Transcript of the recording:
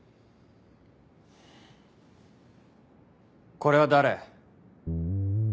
これは誰？